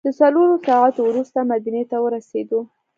له څلورو ساعتو وروسته مدینې ته ورسېدو.